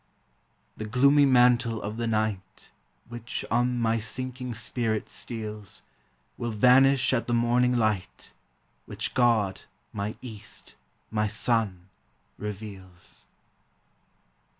The gloomy mantle of the night, Which on my sinking spirit steals, Will vanish at the morning light, Which God, my east, my sun, reveals.